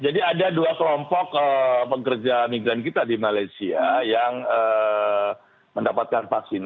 jadi ada dua kelompok pekerja migran kita di malaysia yang mendapatkan vaksin